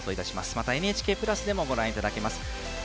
また、「ＮＨＫプラス」でもご覧いただけます。